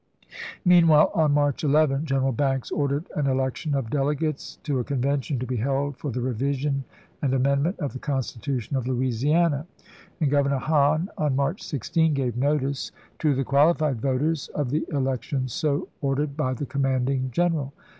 Meanwhile, on March 11, General Banks ordered an election of " delegates to a Convention to be held for the revision and amendment of the constitution of Louisiana "; and Governor Hahn, on March 16, gave notice to the qualified voters of the election so ordered by the commanding general.